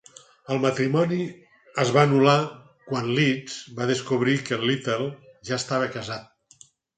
El matrimoni es va anul·lar quan Leeds va descobrir que Little ja estava casat.